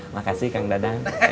makasih kang dadang